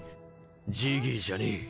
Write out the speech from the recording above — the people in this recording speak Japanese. ジギーじゃねえ。